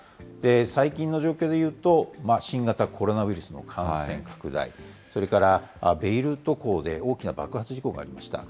最近の状況でいうと、新型コロナウイルスの感染拡大、それからベイルート港で大きな爆発事故がありました。